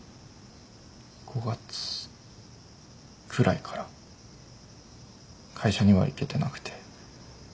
５月くらいから会社には行けてなくて。